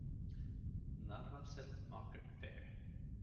Navarcles Market Fair.